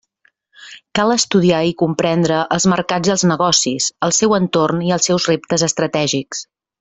Cal estudiar i comprendre els mercats i els negocis, el seu entorn i els seus reptes estratègics.